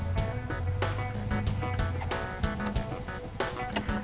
ini juga akan masih jalan terus